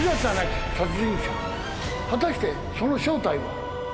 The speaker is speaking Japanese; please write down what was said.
果たしてその正体は？